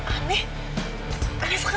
aneh aneh sekali